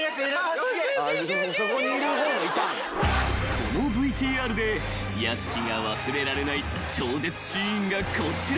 ［このＶＴＲで屋敷が忘れられない超絶シーンがこちら］